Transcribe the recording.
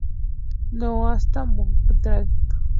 No" hasta "Moonraker".